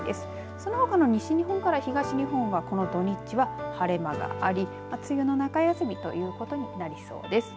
そのほかの西日本から東日本はこの土日は晴れ間があり梅雨の中休みということになりそうです。